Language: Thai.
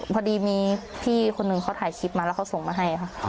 พอดีมีพี่คนหนึ่งเขาถ่ายคลิปมาแล้วเขาส่งมาให้ค่ะ